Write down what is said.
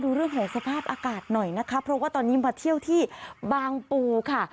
ดูเรื่องของสภาพอากาศหน่อยนะคะเพราะว่าตอนนี้มาเที่ยวที่บางปูค่ะ